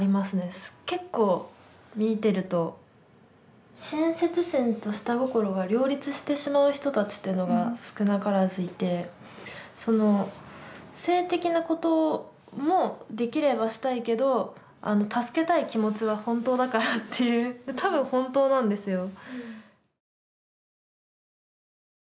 結構見てると親切心と下心が両立してしまう人たちっていうのが少なからずいてその性的なこともできればしたいけど助けたい気持ちは本当だからっていう多分本当なんですよ。